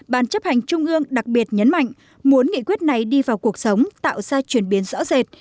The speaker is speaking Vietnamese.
ban chấp hành trung ương đặc biệt nhấn mạnh muốn nghị quyết này đi vào cuộc sống tạo ra chuyển biến rõ rệt